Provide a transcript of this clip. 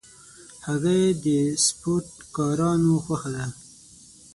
هګۍ د سپورټکارانو خوښه ده.